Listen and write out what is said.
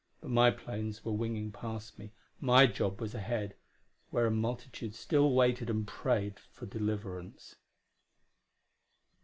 But my planes were winging past me; my job was ahead, where a multitude still waited and prayed for deliverance.